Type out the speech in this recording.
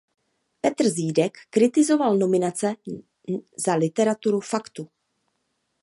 Petr Zídek kritizoval nominace za literaturu faktu.